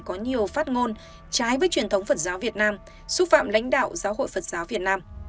có nhiều phát ngôn trái với truyền thống phật giáo việt nam xúc phạm lãnh đạo giáo hội phật giáo việt nam